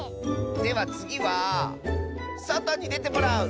ではつぎはそとにでてもらう！